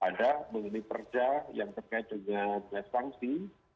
ada memiliki perjalanan yang terkait dengan sanksi